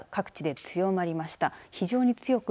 各地で強まりました。